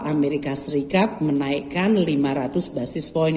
amerika serikat menaikkan lima ratus basis point